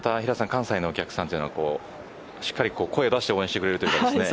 関西のお客さんはしっかり声を出して応援してくれるんですね。